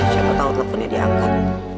siapa tahu teleponnya dianggap